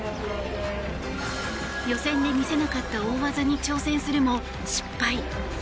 予選で見せなかった大技に挑戦するも失敗。